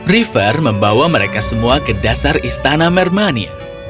river membawa mereka semua ke dasar istana mermania